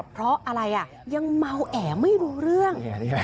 เพราะอะไรยังเมาแอไม่รู้เรื่อง